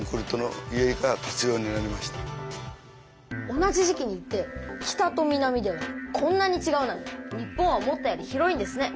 同じ時期に行って北と南ではこんなにちがうなんて日本は思ったより広いんですね。